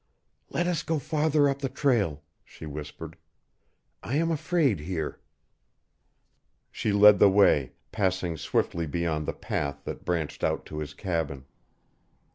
"Let us go farther up the trail," she whispered. "I am afraid here." She led the way, passing swiftly beyond the path that branched out to his cabin.